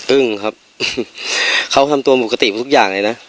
อึ้งครับเขาทำตัวปกติทุกอย่างเลยนะ